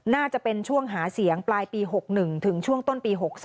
น่าจะเป็นช่วงหาเสียงปลายปี๖๑ถึงช่วงต้นปี๖๒